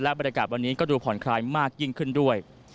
บรรยากาศวันนี้ก็ดูผ่อนคลายมากยิ่งขึ้นด้วย